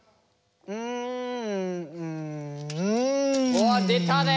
うわっ出たね。